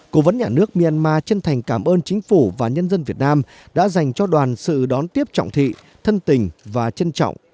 cố vấn nhà nước myanmar chân thành cảm ơn chính phủ và nhân dân việt nam đã dành cho đoàn sự đón tiếp trọng thị thân tình và trân trọng